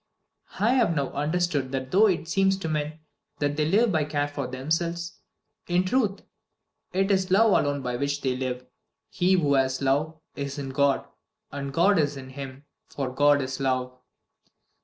"I have now understood that though it seems to men that they live by care for themselves, in truth it is love alone by which they live. He who has love, is in God, and God is in him, for God is love."